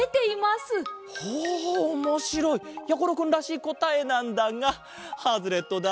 おおもしろい！やころくんらしいこたえなんだがハズレットだ。